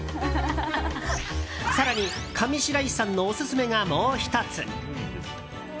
更に、上白石さんのオススメがもう１つ。